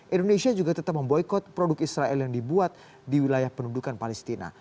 indonesia juga tetap memboykot produk israel yang dibuat di wilayah pendudukan palestina